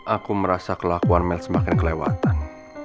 aku merasa kelakuan mels semakin kelewatan